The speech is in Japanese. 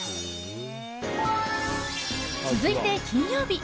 続いて金曜日。